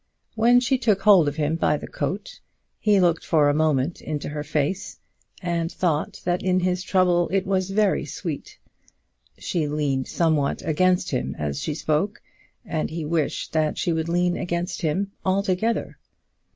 When she took hold of him by the coat, he looked for a moment into her face, and thought that in its trouble it was very sweet. She leaned somewhat against him as she spoke, and he wished that she would lean against him altogether.